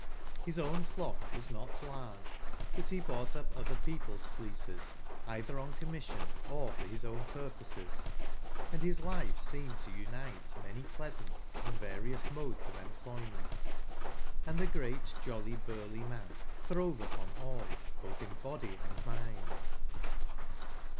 His own flock was not large, but he bought up other people's fleeces, either on commission, or for his own purposes; and, his life seemed to unite many pleasant and .various modes of employment, and the great jolly burly man throve upon all, both in body and mind.